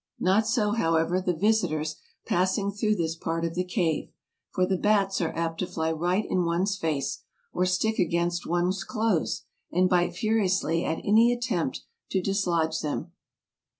Not so, how ever, the visitors passing through this part of the cave ; for the bats are apt to fly right in one's face, or stick against one's clothes, and bite furiously at any attempt to dislodge them.